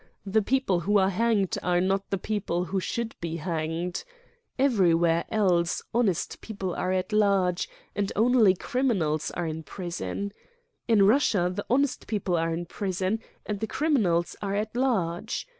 The people who are hanged are not the people who should be hanged. Everywhere else honest peo Ele are at large and only criminals are in prison, a Russia the honest people are in prison and the criminals are at large.